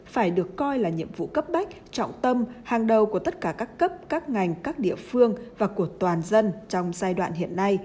phải được coi là nhiệm vụ cấp bách trọng tâm hàng đầu của tất cả các cấp các ngành các địa phương và của toàn dân trong giai đoạn hiện nay